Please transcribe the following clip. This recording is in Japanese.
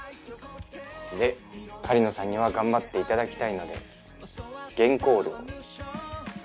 で狩野さんには頑張って頂きたいので原稿料。